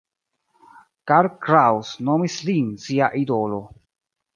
Karl Kraus nomis lin sia idolo.